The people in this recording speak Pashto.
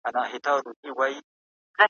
هیواد به د نویو پلانونو له لاري پرمختګ کوي.